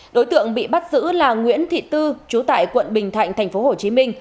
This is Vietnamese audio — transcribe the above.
đối tượng bị bắt giữ là nguyễn thị tư trú tại quận bình thạnh tp hcm